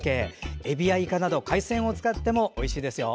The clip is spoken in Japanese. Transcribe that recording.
エビやイカなど海鮮を使ってもおいしいですよ。